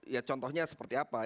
ya contohnya seperti apa